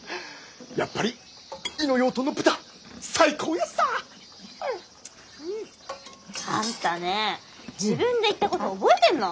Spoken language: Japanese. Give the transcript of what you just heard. やっぱり猪野養豚の豚最高ヤッサー！あんたねぇ自分で言ったこと覚えてんの？